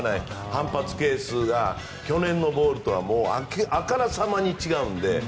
反発係数が去年のボールとはあからさまに違うので。